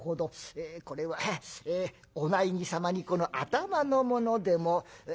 これはええお内儀様にこの頭の物でも。